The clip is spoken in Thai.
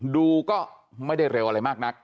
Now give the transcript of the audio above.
ดูก็ไม่ได้เร็วอะไรมากนัก